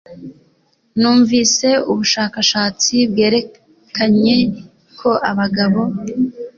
Numvise ubushakashatsi bwerekanye ko abagabo